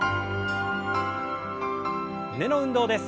胸の運動です。